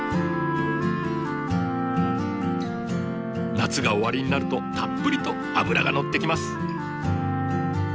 夏が終わりになるとたっぷりと脂が乗ってきます。